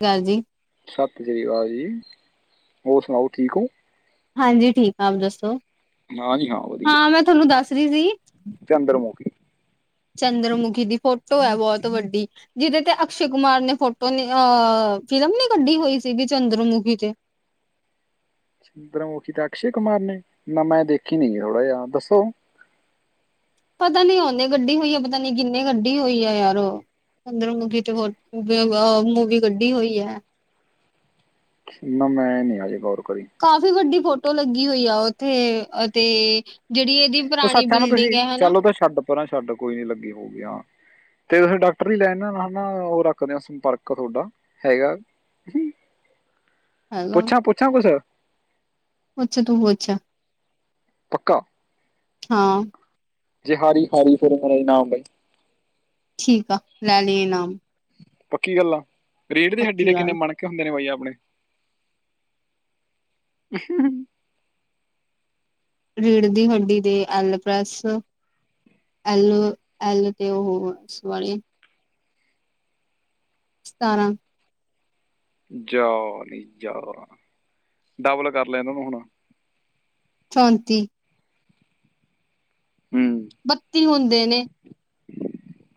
ਕੀ ਹਾਲ ਜੀ? ਸਤ ਸ੍ਰੀ ਅਕਾਲ ਜੀ, ਹੋਰ ਸੁਨਾਓ ਠੀਕ ਓ? ਹਾਂਜੀ, ਠੀਕ ਆਂ ਮ ਦੱਸੋ, ਹਾਂ ਜੀ ਵਧੀਆ ਹਾਂ ਮੈਂ ਥੋਨੂੰ ਦਾੱਸ ਰੀ ਸੀ ਚੰਦਰਮੁਖੀ ਚੰਦਰਮੁਖੀ ਦੀ ਫੋਟੋ ਐ ਬੋਤ ਵੱਡੀ ਜਿਦੇ ਤੇ ਅਕਸ਼ੇ ਕੁਮਾਰ ਨੇ ਫੋਟੋ ਨੀ ਅ ਫਿਲਮ ਨੀ ਕੱਡੀ ਹੋਈ ਸੀ ਗੀ ਚੰਦਰਮੁਖੀ ਤੇ ਚੰਦਰਮੁਖੀ ਤਾ ਅਕਸ਼ੇ ਕੁਮਾਰ ਨੇ, ਨਾ ਮੈਂ ਦੇਖੀ ਨੀ ਓੜਾ ਜੇਆ ਦੱਸੋ ਪਤਾ ਨੀ ਓਨੇ ਗੱਡੀ ਹੋਈ ਐ, ਪਤਾ ਨੀ ਕਿੰਨੇ ਕੱਡੀ ਹੋਈ ਐ ਯਾਰ ਚੰਦਰ ਮੁਖੀ ਤੇ ਹੋਰ [unintelligible] ਅ ਮੂਵੀ ਕੱਢੀ ਹੋਈ ਐ। ਨਾ ਮੈਂ ਨੀ ਹਜੇ ਗੋਰ ਕਰੀ। ਕਾਫੀ ਵੱਡੀ ਫੋਟੋ ਲੱਗੀ ਹੋਈ ਆ ਓਥੇ ਅਤੇ ਜਿਹੜੀ ਇਹਦੀ ਓ ਪੁਰਾਣੀ ਸਾਥਾਂ ਨਾ ਤੁਹੀ, ਬਿਲਡਿੰਗ ਹੈ ਹਨਾ ਚੱਲ ਓ ਤਾ ਛਾੱਡ ਪਰਾਂ ਛਾੱਡ ਕੋਈ ਨੀ ਲੱਗੀ ਹਉਗੀ ਆਂ। ਤੇ ਤੁਸੀ ਡਾਕਟਰ ਈ [unintelligible] ਓ ਰੱਖਦੇ ਆਂ ਸੰਪਰਕ ਤੋਡਾ ਹੈਗਾ ਪੁੱਛਾਂ-ਪੁੱਛਾਂ ਕੁਸ ਪੁੱਛ, ਤੂੰ ਪੁੱਛ ਪੱਕਾ ਹਾਂ। ਜੇ ਹਾਰੀ-ਹਾਰੀ ਫੇਰ ਮੇਰਾ ਇਨਾਮ ਏ। ਠੀਕ ਆ, ਲੈ ਲੀ ਇਨਾਮ ਪੱਕੀ ਗਾੱਲ ਆ, ਰੀੜ ਦੀ ਹੱਡੀ ਪੱਕੀ ਦੇ ਕਿੰਨੇ ਗੱਲ ਮਨ ਕੇ ਹੁੰਦੇ ਨੇ ਬਾਈ ਆਪਣੇ? ਰੀੜ ਦੀ ਹੱਡੀ ਦੇ ਐਲਪ੍ਰੈਸ ਐਲ-ਐਲ ਤੇ [unintelligible] ਵਾਲੇ ਸਤਾਰਾਂ ਜਾ ਨੀ ਜਾ, ਡਬਲ ਕਾਰ ਲੈ ਐਨਾ ਨੂ ਹੁਣ ਚੋਂਤੀ। ਹੂੰ। ਬੱਤੀ ਹੁੰਦੇ ਨੇ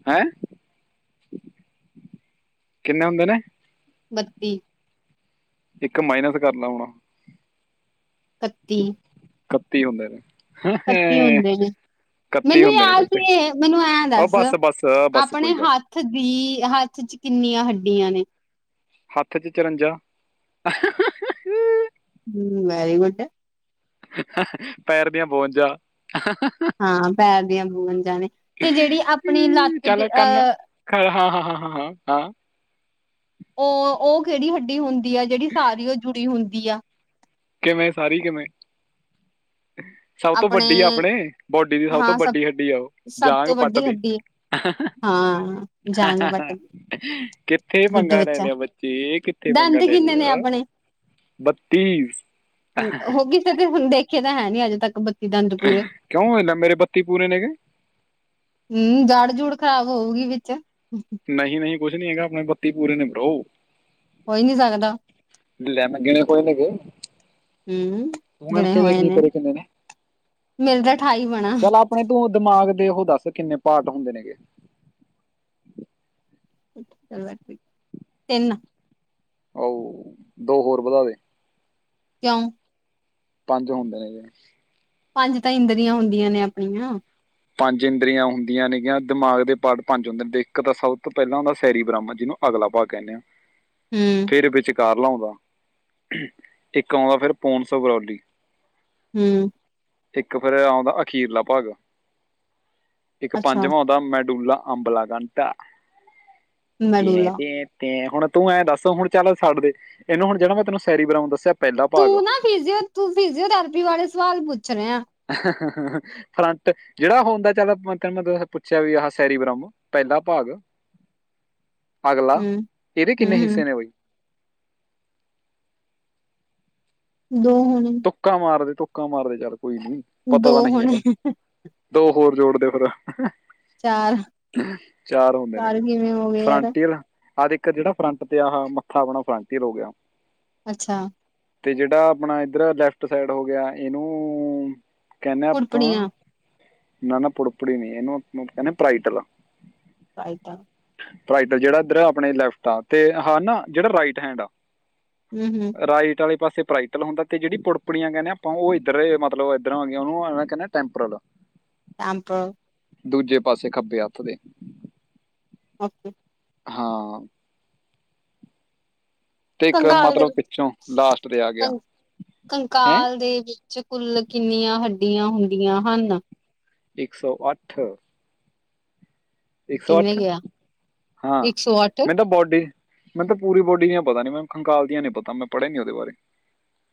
ਹੈਂ ਕਿੰਨੇ ਹੁੰਦੇ ਨੇ? ਬੱਤੀ ਇੱਕ ਮਾਈਨਸ ਕਾਰ ਲੈ ਹੁਣ- ਇਕੱਤੀ ਇਕੱਤੀ ਹੁੰਦੇ ਨੇ। ਇੱਕਤੀ ਹੁੰਦੇ ਨੇ, ਮੈਨੂੰ ਹੁੰਦੇ ਨੇ ਯਾਦ ਵੈਸੇ ਨੀ ਮੈਨੂੰ ਐਂ ਉਹ ਦੱਸ ਬਸ ਬਸ ਬਸ ਆਪਣੇ ਕੋਈ ਗੱਲ ਨੀ। ਹੱਥ ਦੀ ਹੱਥ ਚ ਕਿੰਨੀਆਂ ਹੱਡੀਆਂ ਨੇ? ਹੱਥ ਚ ਚਿਰੰਜਾ। ਹੂੰ, ਵੈਰੀ ਗੁਡ। ਪੈਰ ਦੀਆਂ ਬਾਵੰਝਾ। ਹਾਂ ਪੈਰ ਦੀਆਂ ਬੁਵੰਝਾ ਨੇ ਤੇ ਜਿਹੜੀ ਆਪਣੀ ਲੱਤ ਦੇ ਅਹ ਹਾ -ਹਾ, ਹਾ -ਹਾ, ਹਾ-ਹਾ ਉਹ -ਉਹ ਕਿਹੜੀ ਹੱਡੀ ਹੁੰਦੀ ਆ, ਜਿਹੜੀ ਸਾਰਿਓ ਜੁੜੀ ਹੁੰਦੀ ਆ? ਕਿਵੇਂ ਸਾਰੀ ਕਿਵੇਂ? ਸਭ ਤੋਂ ਆਪਣੇ ਵੱਡੀ ਆ ਆਪਣੇ, ਬੋਡੀ ਦੀ ਸਭ ਤੋਂ ਵੱਡੀ ਹੱਡੀ ਆ ਉਹ, ਸਭ ਜਾਗ ਤੋਂ ਪੱਟ ਵੱਡੀ ਦੀ। ਹੱਡੀ ਹਾਂ ਜਾਂਗ ਬੱਟ ਕਿੱਥੇ ਗੁੱਡ ਪੰਗਾ ਲੈ ਬੱਚਾ ਲਿਆ ਬੱ ਚੇ ਕਿੱਥੇ ਮੰਗਾ ਦੰਦ ਲੈ ਕਿੰਨੇ ਨੇ ਲਿਆ, ਆਪਣੇ ਬੱਤੀ। ਹੋ ਗਈ ਫਿਰ ਤੇ ਹੁਣ ਦੇਖੇ ਤਾਂ ਹੈ ਨੀ ਅੱਜ ਤੱਕ ਬ ਕਿਉਂ ਹੋ ਲੈ ਮੇਰੇ ਬੱਤੀ ਪੂਰੇ ਨੇ ਗੇ। ਹੂੰ, ਜੜ ਜੂੜ ਖ਼ਰਾਬ ਹੋਊਗੀ ਵਿੱਚ। ਨਹੀਂ -ਨਹੀਂ ਕੁਛ ਨੀ ਹੈਗਾ, ਆਪਣੇ ਬੱਤੀ ਪੂਰੇ ਨੇ ਬਰੋ। ਹੋ ਹੀ ਨੀ ਸਕਦਾ। ਲੈ ਮੈਂ ਗਿਣੇ ਕੋਈ ਨੀ ਗੇ। ਹੂੰ ਤੂੰ ਗਿਣ ਗਿਣੇ ਕੇ ਵੇਖ ਹੋਏ ਵੀ ਤੇਰੇ ਕਿੰਨੇ ਨੇ? ਮੇਰੇ ਤਾਂ ਠਾਈ ਬਣਾ। ਚਲ ਆਪਣੇ ਤੂੰ ਦਿਮਾਗ ਦੇ ਉਹ ਦੱਸ ਕਿੰਨੇ ਪਾਰਟ ਹੁੰਦੇ ਨੇਗੇ? ਉਠ ਚਲ, ਤਿੰਨ। ਓ ਹ ਦੋ ਹੋਰ ਵਧਾ ਦੇ। ਕਿਉਂ? ਪੰਜ ਹੁੰਦੇ ਨੇ ਗੇ। ਪੰਜ ਤਾਂ ਇੰਦਰੀਆਂ ਹੁੰਦੀਆਂ ਨੇ ਆਪਣੀਆਂ। ਪੰਜ ਇੰਦਰੀਆਂ ਹੁੰਦੀਆਂ ਨੇਗੀਆਂ, ਦਿਮਾਗ ਦੇ ਪਾਰਟ ਪੰਜ ਹੁੰਦੇ ਨੇ, ਇੱਕ ਤਾਂ ਸਭ ਤੋਂ ਪਹਿਲਾਂ ਹੁੰਦਾ ਸੈਰੀ ਬ੍ਰਾਹਮਾ ਜਿਹਨੂੰ ਅਗਲਾ ਭਾਗ ਕਹਿੰਨੇ ਆ, ਹੂੰ ਫਿਰ ਵਿੱਚ ਕਾਰਲਾ ਆਉਂਦਾ, ਇੱਕ ਆਉਂਦਾ ਫਿਰ ਪੋਨ ਸੌਗਰੋਲੀ। ਹੂੰ। ਇੱਕ ਫਿਰੇ ਆਉਂਦਾ ਅਖੀਰਲਾ ਭਾਗ। ਇੱਕ ਅੱਛਾ ਪੰਜਵਾਂ ਆਉਂਦਾ ਮੈਂ ਡੂਲਾ ਅੰਬਲਾ ਕੰਤਾ। ਟੈਂ ਮੈਡੂਲਾ ਟੈਂ ਤੇ ਹੁਣ ਤੂੰ ਐਂ ਦੱਸੋ ਹੁਣ ਚੱਲ ਸਡਦੇ, ਇਹਨੂੰ ਹੁਣ ਜਿਹੜਾ ਮੈਂ ਤੈਨੂੰ ਸੈਰੀ ਬਰਾਮ ਦੱਸਿਆ ਪਹਿਲਾ ਭਾਗ ਫਿਜੀਓੂ- ਤੂੰ ਫਿਜੀਓਥੈਰੇਪੀ ਬਾਰੇ ਸਵਾਲ ਪੁੱਛ ਰਿਆ। ਹਾ ਹਾ ਹਾ ਹਾ ਫਰੰਟ, ਜਿਹੜਾ ਹੁੰਦਾ ਚੱਲ ਮ ਮੈਂ ਪੁੱਛਿਆ ਵੀ ਆਹ ਸੈਰੀ ਬ੍ਰਹਮ ਪਹਿਲਾ ਭਾਗ ਅਗਲਾ, ਹੂੰ ਇਹਦੇ ਹੂੰ ਕਿੰਨੇ ਹੂੰ ਹਿੱਸੇ ਨੇ ਬਈ? ਦੋ ਹੋਣੇ। ਤੁਕਾ ਮਾਰਦੇ- ਤੁਕਾ ਮਾਰਦੇ ਚੱਲ ਕੋਈ ਨੀ, ਪਤਾ ਦੋ ਤਾਂ ਨਹੀਂ ਹੋਣੇ ਹੈਗਾ। ਦੋ ਹੋਰ ਜੋੜਦੇ ਫਿਰ। ਚਾਰ ਚਾਰ ਹੁੰਦੇ ਨੇ। ਕਿਵੇਂ ਹੋ ਗਏ ਯਾਰ ਫਰੰਟੀਅਰ, ਹਰ ਦੇਖ ਜਿਹੜਾ ਫਰੰਟ ਤੇ ਆਹ ਮੱਥਾ ਆਪਣਾ ਫਰੰਟ ਹੀ ਰ ਹੋ ਗਿਆ। ਅੱਛਾ! ਤੇ ਜਿਹੜਾ ਆਪਣਾ ਇੱਧਰ ਲੈਫਟ ਸਾਈਡ ਹੋ ਗਿਆ, ਏਨੂੰ ਕੈਨੇ ਆਪਾਂ, ਫੁੜਪੜੀਆਂ ਨਾ-ਨਾ ਪੁੜਪੁੜੀ ਨਈ ਐਹਨੂੰ ਆਪਾਂ ਕੈਨੇ ਪ੍ਰਾਈਟਲ ਆਏ ਤਾਂ ਪ੍ਰਾਈਟਲ ਜੇਹੜਾ ਐਦਰ ਆਪਣੇ ਲੈਫਟ ਆ ਤੇ ਹਾਂ ਨਾ ਜੇਹੜਾ ਰਾਈਟ ਹੈਂਡ ਆ। ਹੁੰ-ਹੁੰ ਰਾਈਟ ਆਲੇ ਪਾਸੇ ਪਾਈਟਲ ਹੁੰਦਾ ਤੇ ਜੇਹੜੀ ਪੁੜਪੁੜੀਆਂ ਕੈਂਨੇ ਆਪਾਂ ਓਹ ਇਦਰ ਏ ਮਤਲਬ ਐਦਰ ਆ ਗਏ ਓਹਨੂੰ ਐਵੇਂ ਕੈਹਨੇ ਆਂ ਟੈਂਪਰਲ ਐਂਪਰਲ ਦੂਜੇ ਪਾਸੇ ਖੱਬੇ ਹੱਥ ਦੇ ਓਕੇ। ਹਾਂ। ਤੇ ਇੱਕ ਕੰਗਾਲ ਦੇ ਮਤਲਬ ਪਿੱਛੋਂ ਵਿੱਚ ਲਾਸਟ ਤੇ ਆ ਗਿਆ ਕੰ ਹੈ ਕੰਕਾਲ ਦੇ ਵਿੱਚ 'ਚ ਕੁੱਲ ਕਿੰਨੀਆਂ ਹੱਡੀਆਂ ਹੁੰਦੀਆਂ ਹਨ? ਇੱਕ ਸੌ ਅੱਠ ਇੱਕ ਸੌ ਕਿੰਨੇ ਅੱਠ? ਗਿਆ ਹਾਂ, ਇੱਕ ਸੌ ਅੱਠ ਮੈ ਤਾਂ ਬੋਡੀ ਮੈਨ ਤਾਂ ਪੂਰੀ ਬੋਡੀ ਦੀਆਂ ਪਤਾ ਨੇ। ਮੈਨ ਕੰਕਾਲ ਦੀਆਂ ਨਈ ਪਤਾ, ਮੈਂ ਪੜਿਆ ਨੀ ਓਹਦੇ ਬਾਰੇ।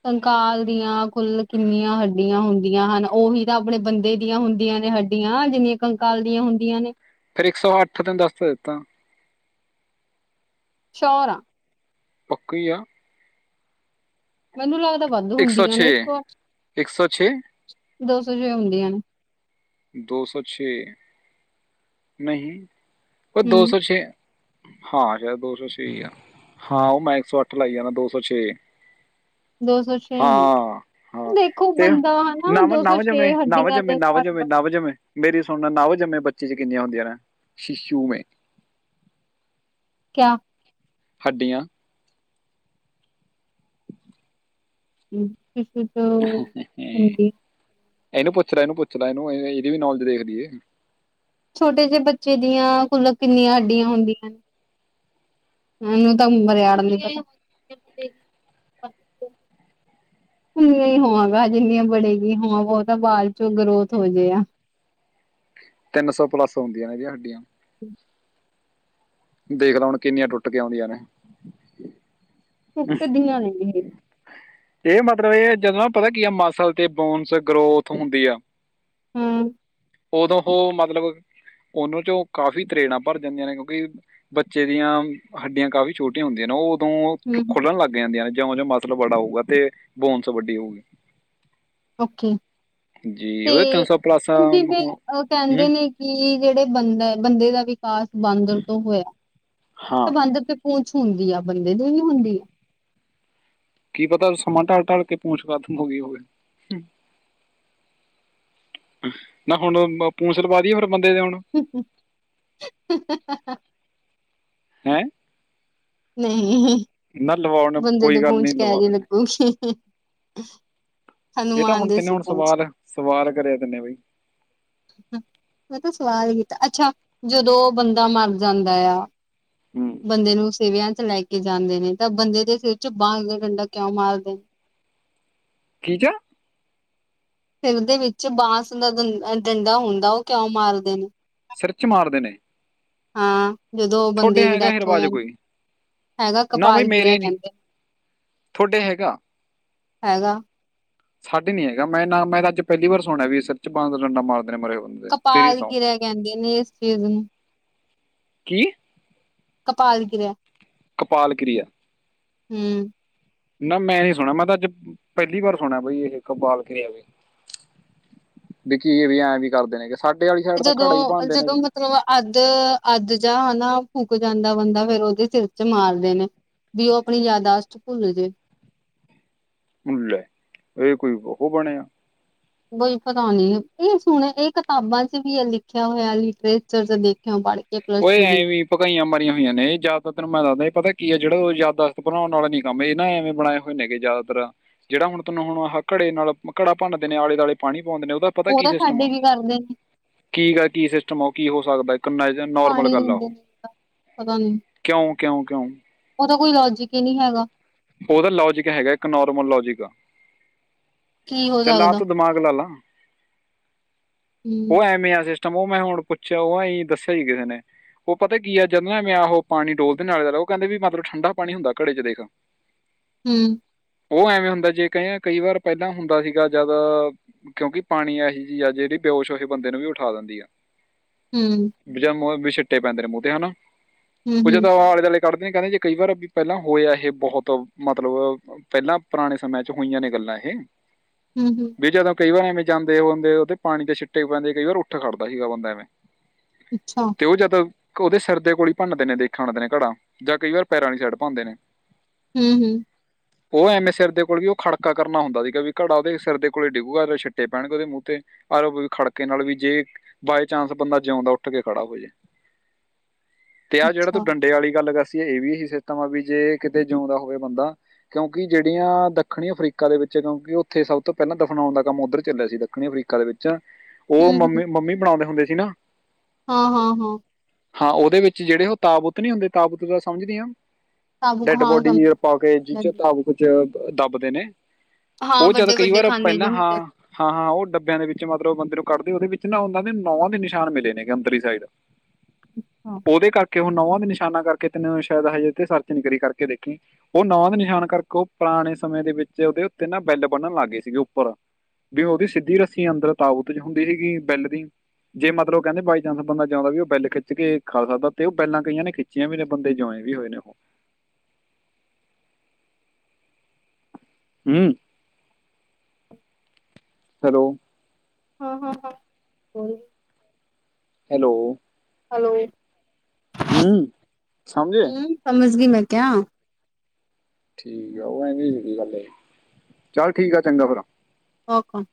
ਕੰਕਾਲ ਦੀਆਂ ਕੁੁੱਲ ਕਿੰਨੀਆਂ ਹੱਡੀਆਂ ਹੁੰਦੀਆਂ ਹਨ? ਓਹੀ ਤਾਂ ਆਪਣੇ ਬੰਦੇ ਦੀਆਂ ਹੁੰਦੀਆਂ ਨੇ ਹੱ ਈਆਂ ਜਿੰਨੀਆਂ ਕੰਕਾਲ ਦੀਆਂ ਹੁੰਦੀਆਂ ਨੇ। ਫੇਰ ਇੱਕ ਸੌ ਅੱਠ ਤੈਨ ਦੱਸ ਤੇ ਦਿੱਤਾ। ਚਾਰ ਆਂ ਕੀਆ ਮੈਨੂੰ ਲੱਗਦਾ ਵੱਦ ਹੁੰਦੀਆਂ ਨੇ ਇੱਕ ਸੌ ਅੱਠ, ਦੋ ਸੌ ਛੇ ਹੁੰਦੀਆਂ ਨੇ। ਦੋ ਸੌ ਛੇ ਨਹੀਂ ਪਰ ਦੋ ਹੂੰ ਸੌ ਛੇ ਹਾਂ, ਸ਼ੈਦ ਦੋ ਸੌ ਛੇ ਈ ਆ। ਹਾਂ, ਓਹ ਮੈਂ ਇੱਕ ਸੌ ਅੱਠ ਲਾਈ ਜਾਨਾ, ਦੋ ਸੌ ਛੇ। ਦੋ ਸੌ ਛ ਹਾਂ ਹਾਂ ਤੇ ਹਨਾ ਨੱਵ ਦੋ ਸੌ ਨੱਵ ਜੰਮੇ, ਛੇ ਨੱਵ ਹੱਡੀਆਂ ਜੰਮੇ, ਦੇ ਨੱਵ ਜੰਮੇ, ਨਾਲ ਨੱਵ ਜੰਮੇ ਮੇਰੀ ਸੁਨ, ਨੱਵ ਜੰਮੇ ਬੱਚੇ ਚ ਕਿੰਨੀਆਂ ਹੁੰਦੀਆਂ ਨੇ, ਸ਼ੀਸ਼ੂ ਮੇ? ਕਿਆ? ਹੱਡੀਆਂ ਸ਼ੀਸ਼ੂ ਤੋਂ ਹੱਡੀ ਐਨੂੰ ਪੁੱਛ ਲੈ ਐਨੂੰ ਪੁੱਛ ਲੈ ਐਨੂੰ, ਐਹਦੀ ਵੀ ਨੌਲੇਜ ਦੇਖ ਲਈਏ ਛੋਟੇ ਜੇਹੇ ਬੱਚੇ ਦੀਆਂ ਕੁੱਲ ਕਿੰਨੀਆਂ ਹਡੀਆਂ ਹੁੰਦੀਆਂ ਨੇ? ਮੈਨੂੰ ਤਾਂ ਮਰਿਆੜਨ ਦੀ ਪਤਾ ਉਨੀਆਂ ਈ ਹੋਵਾਂਗਾ ਜਿਨੀਆਂ ਬੜੇ ਕੀ ਹੋਵਾਂ। ਵੋ ਤਾਂ ਬਾਦ ਚੋ ਗਰੋਥ ਹੋ ਜਾਏ ਆ। ਤਿੰਨ ਸੌ ਪਲੱਸ ਹੁੰਦੀ ਨੇ ਜੀ ਹੱਡੀਆਂ ਹੁੰ ਦੇਖ ਲਾ ਹੁਨ ਕਿੰਨੀਆਂ ਟੁੱਟ ਕੇ ਆਂਦੀਆਂ ਨੇ ਟੁੱਟਦੀਆਂ ਨੇ ਏਹ ਮਤਲਬ ਏਹ ਜਦੋਂ ਪਤਾ ਕੀ ਆ ਮਸਲ ਤੇ ਬੋਨਸ ਗਰੋਥ ਹੁੰਦੀ ਆ ਹੁੰ ਉਦੋਂ ਓ ਮਤਲਬ ਉਹਨੂੰ ਚੋਂ ਕਾਫ਼ੀ ਤਰੇੜਾਂ ਭਰ ਜਾਂਦੀਆਂ ਨੇ ਕਿਉਂਕਿ ਬੱਚੇ ਦੀਆਂ ਹੱਡੀਆਂ ਕਾਫ਼ੀ ਛੋਟੀਆਂ ਹੁੰਦੀਆਂ ਨੇ ਓਹ ਓਦੋਂ ਹੂੰ ਖੁੱਲਣ ਲੱਗ ਜਾਂਦੀਆਂ ਨੇ ਜਿਉਂ ਜਿਉਂ ਮਸਲ ਬੜਾ ਹੋਊਗਾ ਤੇ ਬੋਨਸ ਵੱਡੀ ਹੋਊਗੀ ਓਕੇ ਜੀ ਤੇ ਉਹਦੇ ਪਲੱਸ ਹੁਨ ਜਿਵੇਂ ਓ ਕੈਂਦੇ ਹੂੰ ਨੇ ਕ ਕਿ ਜੇੜੇ ਬੰਦਾ ਬੰਦੇ ਦਾ ਵਿਕਾਸ ਬਾਂਦਰ ਤੋਂ ਹੋਇਆ ਹਾਂ ਤਾਂ ਬਾਂਦਰ ਤੇ ਪੂੰਛ ਹੁੰਦੀ ਆ ਬੰਦੇ ਦੀ ਵੀ ਹੁੰਦੀ। ਕੀ ਪਤਾ ਸਮਾਂ ਢਲ ਢਲ ਕੇ ਪੂੰਛ ਖਤਮ ਹੋ ਗਈ ਹੋਵੇ ਨਾ ਹੁਣ ਪੂੰਛ ਲਵਾ ਦੀਏ ਫਿਰ ਬੰਦੇ ਦੇ ਹੁਣ ਹੁ ਹੁ ਹਹਹਹਹ ਹੈਂ ਨਹੀ ਨਾ ਲਵਾਉਣ ਬੰਦੇ ਦੇ ਕੋਈ ਗੱਲ ਪੂੰਛ ਨਹੀਂ ਕੈ ਲਵਾ ਜੇ ਦਿੰਦੇ ਲੱਗੂਗੀ? ਏ ਤਾਂ ਹਨੂੰਮਾਨ ਹੁਨ ਦੇ ਤਿੰਨੇ ਸੀ ਹੁਣ ਪੂੰਛ। ਸਵਾਲ ਸਵਾਲ ਕਰਿਆ ਤਿੰਨੇ ਬਈ ਮੈਂ ਤਾ ਸਵਾਲ ਕੀਤਾ ਅੱਛਾ ਜਦੋ ਓ ਬੰਦਾ ਮਰ ਜਾਂਦਾ ਆ ਹੁੰ ਬੰਦੇ ਨੂੰ ਸੀਵਿਆਂ ਚ ਲੈ ਕੇ ਜਾਂਦੇ ਨੇ ਤਾਂ ਬੰਦੇ ਦੇ ਸਿਰ ਚ ਬਾਂਸ ਦਾ ਡੰਡਾ ਕਿਉਂ ਮਾਰਦੇ ਨੇ? ਕੀ ਕੇਆ? ਸਿਰ ਦੇ ਵਿੱਚ ਬਾਂਸ ਦਾ ਦੰ ਡੰਡਾ ਹੁੰਦਾ ਓ ਕਿਉਂ ਮਾਰਦੇ ਨੇ? ਸਿਰ ਚ ਮਾਰਦੇ ਨੇ? ਹਾਂ ਜਦੋ ਓ ਤੁਹਾਡੇ ਬੰਦੇ ਦੀ ਹੈਗਾ ਇਹ ਡੈਥ ਹੋ ਰਿਵਾਜ ਜਾਂਦੀ ਕੋਈ ਹੈਗਾ ਨਾ ਬਾਈ ਕਪਾਲ ਗਿਰਿਆ ਮੇਰੇ ਨਈ ਕਹਿੰਦੇ ਨੇ। ਥੋਡੇ ਹੈਗਾ। ਹੈਗਾ ਸਾਡੇ ਨੀ ਹੈਗਾ ਮੈਂ ਨਾ ਮੈਂ ਅੱਜ ਪੈਲੀ ਵਾਰੀ ਸੁਣਿਆ ਵੀ ਸਿਰ ਚ ਬਾਂ ਦਾ ਡੰਡਾ ਮਾਰਦੇ ਨੇ ਮਰੇ ਹੋਏ ਨੂੰ ਕਪਾਲ ਕਿਰਿਆ ਕੈਂਦੇ ਨੇ ਏਸ ਚੀਜ਼ ਨੂੰ। ਕੀ? ਕਪਾਲ ਕਿਰਿਆ ਕਪਾਲ ਕਿਰੀਆ ਹੁੰ ਨਾ ਮੈਂ ਨੀ ਸੁਣਿਆ ਮੈਂ ਤਾਂ ਅੱਜ ਪੈਲੀ ਵਾਰ ਸੁਣਿਆ ਬਈ ਇਹ ਕਪਾਲ ਕਿਰਿਆ ਵੇ। ਬੀ ਕੀ ਏ ਵੀ ਐਂਵੇ ਈ ਕਰਦੇ ਨੇ ਕਿ ਸਾਡੇ ਆਲੀ ਸੈਡ ਤਾ ਘੜਾ ਈ ਭੰਨਦੇ ਨੇ ਮਲਬ ਅੱਧ, ਅੱਧ ਜਾ ਹਨਾ ਫੂਕ ਜਾਂਦਾ ਬੰਦਾ ਫੇਰ ਓਦੇ ਸਿਰ ਚ ਮਾਰਦੇ ਨੇ। ਵੀ ਓ ਆਪਣੀ ਯਾਦਾਸ਼ਤ ਭੁੱਲ ਜੇ। ਭੁੱਲੈ, ਏ ਕੋਈ ਉਹ ਬਣਿਆ। ਬਈ ਪਤਾ ਨੀ ਏ ਸੁਣੇ ਏ ਕਿਤਾਬਾਂ ਚ ਵੀ ਐ ਲਿਖਿਆ ਹੋਇਆ ਲਿਟਰੇਚਰ ਚ ਦੇਖਿਓ ਬਾਲੇ ਓਏ ਐਂਵੀ ਪਕਾਈਆਂ ਮਾਰੀਆਂ ਹੋਈਆਂ ਨੇ ਜਆਦਾਤਰ ਤੈਨੂੰ ਮੈਂ ਦੱਸਦਾ ਏ ਪਤਾ ਕੀ ਐ ਜੇੜਾ ਓ ਯਾਦਦਾਸਤ ਭੁਲਾਨ ਆਲਾ ਨੀ ਕੰਮ ਏ ਨਾ ਐਵੇਂ ਬਣਾਇ ਹੋਨੇ ਗੇ ਜਿਆਦਾਤਰ ਜੇੜਾ ਹੁਨ ਥਾਨੂੰ ਹੁ ਆਹਾ ਘੜੇ ਨਾਲ ਘੜਾ ਭੰਨਦੇ ਨੇ ਆਲੇ ਦਆਲੇ ਪੂਆਂਦੇ ਨੇ ਉਦਾ ਪਤਾ ਉਹ ਕੀ ਤਾਂ ਸਿਸਟਮ ਆ ਸਾਡੇ ਵੀ ਕਰਦੇ ਨੇ ਕੀ ਆ ਕੀ ਸਿਸਟਮ ਆ ਕੀ ਹੋ ਸਕਦੈ ਕੰਨਾਂ ਚ ਨੋਰਮਲ ਪਾਣੀ ਗੱਲ ਆ ਦਿੰਦੇ ਓਹ ਨੇ ਤਾਂ, ਕਿਉਂ, ਕਿਉਂ, ਕਿਉਂ ਉਦਾ ਕੋਈ ਲੋਜਿਕ ਈ ਨੀ ਹੈਗਾ। ਓਦਾ ਲੋਜਿਕ ਹੈਗਾ ਇੱਕ ਨੋਰਮਲ ਲੋਜਿਕ ਆ ਕੀ ਹੋ ਚੱਲ ਆ ਸਕਦਾ ਤੁ ਦਿਮਾਗ ਲਾ ਲਾ ਹੂੰ ਓ ਐਵੇਂ ਆ ਸਿਸ ਟਮ ਓ ਮੈ ਹੁਣ ਪੁੱਛਿਆ ਓ ਹਈ ਦੱਸਿਆ ਈ ਕਿਸੇ ਨੇ ਓ ਪਤਾ ਕੀ ਐ ਜਦ ਮੈ ਮੈ ਆਹੋ ਪਾਣੀ ਡੋਲਦੇਨਾ ਓ ਕੈਂਦੇ ਵੀ ਮਤਲਬ ਠੰਡਾ ਪਾਣੀ ਹੁੰਦਾ ਘੜੇ ਚ ਦੇਖ। ਹੁੰ ਓ ਐਵੇਂ ਹੁੰਦਾ ਜੇ ਕਏਆਂ ਕਈ ਵਾਰ ਪੈਲਾਂ ਹੁੰਦਾ ਸੀਗਾ ਜਦ ਕਿਉਂਕਿ ਪਾਣੀ ਐਹੋ ਜਿ ਆ ਜੇੜੀ ਬੇਉਸ਼ ਹੋਹੇ ਬੰਦੇ ਨੂੰ ਵੀ ਉਠਾ ਦਿੰਦੀ ਆ ਹੁੰ ਜੇਮ ਓਏ ਵੀ ਛਿੱਟੇ ਪੈਂਦੇ ਨੇ ਮੂੰ ਤੇ ਹਨਾ ਹੂੰ ਕੋ ਹੂੰ ਜਦੋ ਆਲੇ ਦੁਆਲੇ ਕੱਡਦੇ ਕੈਂਦੇ ਜੇ ਕਈ ਵਾਰ ਵੀ ਪੈਲਾਂ ਹੋਇਆ ਇਹ ਬਹੁਤ ਮਤਲਬ ਪੈਲਾਂ ਪੁਰਾਣੇ ਸਮਿਆਂ ਚ ਹੋਈਆਂ ਨੇ ਗੱਲਾਂ ਇਹ ਹਮ, ਹਮ। ਵੀ ਜਦੋਂ ਕਈ ਵਾਰ ਐਵੇਂ ਜਾਂਦੇ ਹੁੰਦੇ ਉਹਦੇ ਪਾਣੀ ਦੇ ਸਿੱਟੇ ਪੈਂਦੇ ਕਈ ਵਾਰ ਉੱਠ ਖੜਦਾ ਸੀਗਾ ਬੰਦਾ ਐਵੇਂ ਅੱਛਾ ਤੇ ਉਹਜ ਤਾਂ ਉਹਦੇ ਸਰਿਰਦੇ ਕੋਲ ਭੰਨਦੇ ਨੇ ਦੇਖਣਦੇ ਨੇ ਘੜਾ ਜਾਂ ਕਈ ਵਾਰ ਪੈਰਾਂ ਵਾਲੀ ਸਾਈਡ ਪਾਉਂਦੇ ਨੇ ਹਮ, ਹਮ। ਉਹ ਐਵੇਂ ਸਿਰ ਦੇ ਕੋਲ ਵੀ ਉਹ ਖੜਕਾ ਕਰਨਾ ਹੁੰਦਾ ਸੀਗਾ ਵੀ ਘੜਾ ਉਹਦੇ ਸਿਰ ਦੇ ਕੋਲ ਡਿੱਗੂਗਾ ਛਿੱਟੇ ਪੈਣਗੇ ਉਹਦੇ ਮੂੰਹ ਤੇ ਆਰੋ ਖੜਕੇ ਨਾਲ ਵੀ ਜੇ ਬਾਏ ਚਾਂਸ ਬੰਦਾ ਜਿਉਂਦਾ ਉੱਠ ਕੇ ਖੜਾ ਹੋ ਜਾੇ ਤੇ ਆਹ ਜਿਹੜਾ ਤੂੰ ਅੱਛਾ ਡੰਡੇ ਵਾਲੀ ਗੱਲ ਕਸੀਏ ਇਹ ਵੀ ਸਿਸਟਮ ਆ ਵੀ ਜੇ ਕਿਤੇ ਜਿਉਂਦਾ ਹੋਵੇ ਬੰਦਾ ਕਿਉਂਕਿ ਜਿਹੜੀਆਂ ਦੱਖਣੀ ਅਫਰੀਕਾ ਦੇ ਵਿੱਚ ਕਿਉਂਕਿ ਉੱਥੇ ਸਭ ਤੋਂ ਪਹਿਲਾਂ ਦਫ਼ਨਾਉਣ ਦਾ ਕੰਮ ਉੱਧਰ ਚੱਲਿਆ ਸੀ ਦੱਖਣੀ ਅਫਰੀਕਾ ਦੇ ਵਿੱਚ ਉਹ ਹੂੰ ਹੂੰ ਮੰਮੀ, ਮੰਮੀ ਬਣਾਉਂਦੇ ਹੁੰਦੇ ਸੀ ਨਾ ਹਾਂ, ਹਾਂ, ਹਾਂ। ਹਾਂ ਉਹਦੇ ਵਿੱਚ ਜਿਹੜੇ ਉਹ ਤਾਬੁਤ ਨੀ ਹੁੰਦੇ ਤਾਬੁਤ ਤਾਂ ਸਮਝਦੀ ਆ ਸਾਬੁਕ ਡੈਡ ਹਾਂ ਬੋਡੀ ਪਾ ਕੇ ਜੀ ਸਮਝ ਕੁਛ ਦੱਬਦੇ ਨੇ ਹਾਂ ਉਹ ਜਿਆਦਾ ਵੱਡੇ ਕਈ ਵੱਡੇ ਵਾਰ ਖਾਨੇ ਜੋ ਪਹਿਲਾ ਹਾਂ ਹੁੰਦੇ ਹਾਂ ਹਾਂ ਉਹ ਡੱਬਿਆਂ ਦੇ ਵਿੱਚ ਮਤਲਬ ਬੰਦੇ ਨੂੰ ਕੱਢਦੇ ਉਹਦੇ ਵਿੱਚ ਨਾ ਉਹਨਾਂ ਦੇ ਨੂੰਹ ਦੇ ਨਿਸ਼ਾਨ ਮਿਲੇ ਨੇਗੇ ਅੰਦਰ ਦੀ ਸਾਈਡ [unintelligible] ਹਾਂ। ਉਹਦੇ ਕਰਕੇ ਹੁਣ ਨੂੰਹਾਂ ਦੇ ਨਿਸ਼ਾਨਾ ਕਰਕੇ ਤੈਨ ਸ਼ਾਇਦ ਹਜੇ ਸਰਚ ਨੀ ਕਰੀ ਕਰਕੇ ਦੇਖੀ ਉਹ ਨੂੰਹਾਂ ਦੇ ਨਿਸ਼ਾਨ ਕਰਕੇ ਉਹ ਪੁਰਾਣੇ ਸਮੇਂ ਦੇ ਵਿੱਚ ਉਹਦੇ ਉੱਤੇ ਨਾ ਬੈਲ ਬੰਨਨ ਲੱਗ ਗਏ ਸੀਗੇ ਉੱਪਰ ਵੀ ਉਹਦੀ ਸਿੱਧੀ ਰੱਸੀ ਅੰਦਰ ਤਾਾਬਤ ਚ ਹੁੰਦੀ ਸੀਗੀ ਬਿੱਲ ਦੀ ਜੇ ਮਤਲਬ ਕਹਿੰਦੇ ਬਏ ਚਾਂਸ ਬੰਦਾ ਜਾਂਉਦਾ ਉਹ ਬੈਲ ਖਿੱਚ ਖਾ ਸਕਦਾ ਤੇ ਉਹ ਬੈਲਾਂ ਕਈਆਂ ਨੇ ਖਿੱਚ ਬੱਚ ਵੀ ਬੰਦੇ ਜੁਆਇਨ ਵੀ ਹੋਏ ਨੇ ਉਹ ਹਮ। ਹੈਲੋ। ਹਾਂ, ਹਾਂ ਹਾਂ ਹੈਲੋ। ਹੈਲੋ। ਹਮ ਸਮਝੇ ਹੂੰ ਸਮਝ ਗਈ ਮੈਂ ਕਿਆ ਠੀਕ ਆ ਉਹ ਐ ਗੱਲ ਚੱਲ ਠੀਕ ਆ ਚੰਗਾ ਫਿਰ ਓਕੁ